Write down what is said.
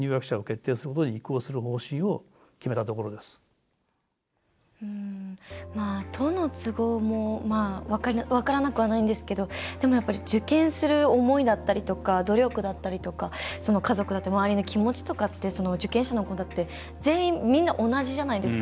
理由を尋ねました都の都合も分からなくはないんですけどでもやっぱり受験する思いだったりとか努力だったりとかその家族だったり周りの受験者の子だって、全員みんな同じじゃないですか。